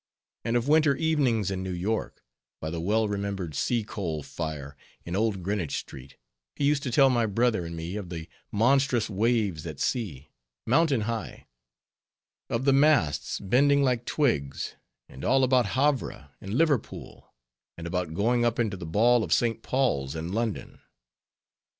And of winter evenings in New York, by the well remembered sea coal fire in old Greenwich street, he used to tell my brother and me of the monstrous waves at sea, mountain high; of the masts bending like twigs; and all about Havre, and Liverpool, and about going up into the ball of St. Paul's in London.